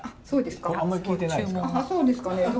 そうですね。